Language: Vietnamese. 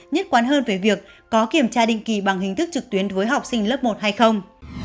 nhất quán hơn về việc có kiểm tra định kỳ bằng hình thức trực tuyến với học sinh lớp một hay không